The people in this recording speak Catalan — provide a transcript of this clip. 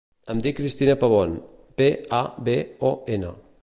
Em dic Cristina Pabon: pe, a, be, o, ena.